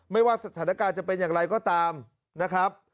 ว่าสถานการณ์จะเป็นอย่างไรก็ตามนะครับ